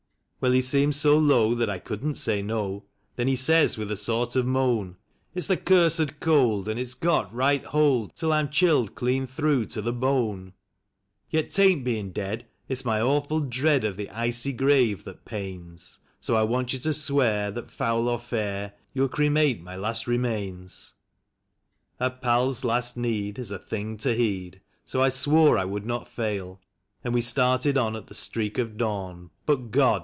Well, he seemed so low that I couldn't say no ; then he says with a sort of moan: " It's the cursed cold, and it's got right hold till I'm chilled clean through to the bone. Yet 'taint being dead, it's my awful dread of the icy grave that pains; So I want you to swear that, foul or fair, you'll cremate my last remains." THE CREMATION OF SAM McGEE. 37 A pal's last need is a thing to heed, so I swore I would not fail; And we started on at the streak of dawn, but God!